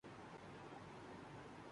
کوئی اس کی بات سنتا ہے۔